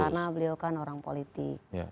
karena beliau kan orang politik